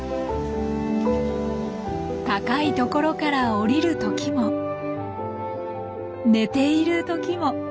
高い所から降りるときも寝ているときも！